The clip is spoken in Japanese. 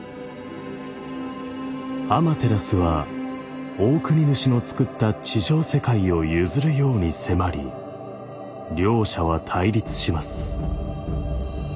アマテラスはオオクニヌシのつくった地上世界を譲るように迫り両者は対立します。